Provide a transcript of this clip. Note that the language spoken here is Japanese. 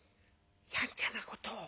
やんちゃなことを。